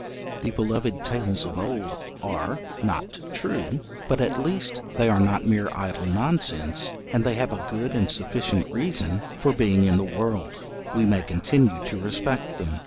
The beloved tales of old are 'not true' but at least they are not mere idle nonsense, and they have a good and sufficient reason for being in the world; we may continue to respect them.